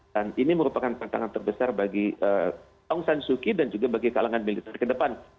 dan ini merupakan tantangan terbesar bagi aung san suu kyi dan juga bagi kalangan militer ke depan